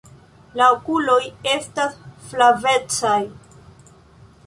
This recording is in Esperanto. La okuloj estas flavecaj.